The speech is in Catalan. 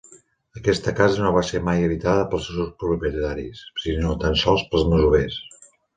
Aquesta casa no va ser mai habitada pels seus propietaris, sinó tan sols pels masovers.